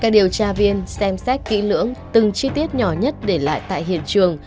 các điều tra viên xem xét kỹ lưỡng từng chi tiết nhỏ nhất để lại tại hiện trường